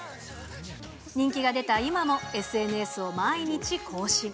人気が出た今も、ＳＮＳを毎日更新。